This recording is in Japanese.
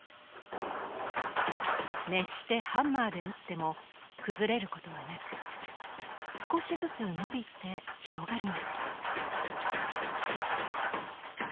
熱してハンマーで打っても崩れることはなく少しずつのびて広がります。